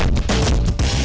nggak akan ngediam nih